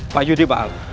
pak yudi pak al